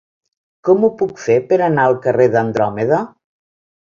Com ho puc fer per anar al carrer d'Andròmeda?